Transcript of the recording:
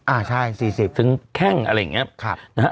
อ้าใช่๔๐เซนซึ่งแค่งอะไรอย่างนี้